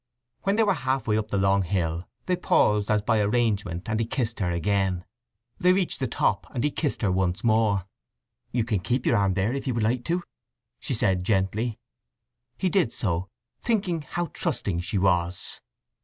When they were half way up the long hill they paused as by arrangement, and he kissed her again. They reached the top, and he kissed her once more. "You can keep your arm there, if you would like to," she said gently. He did so, thinking how trusting she was.